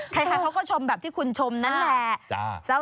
ใครเขาก็ชมแบบที่คุณชมนั่นแหละ